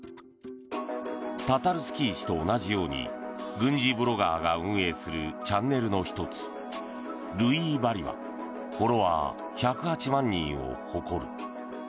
タタルスキー氏と同じように軍事ブロガーが運営するチャンネルの１つルイーバリはフォロワー１０８万人を誇る。